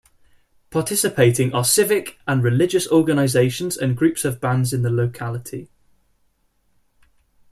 Participating are civic and religious organizations and groups of bands in the locality.